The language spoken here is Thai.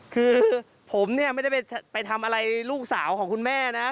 คือผมเนี่ยไม่ได้ไปทำอะไรลูกสาวของคุณแม่นะ